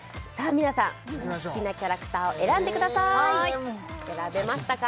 皆さんお好きなキャラクターを選んでください選べましたか？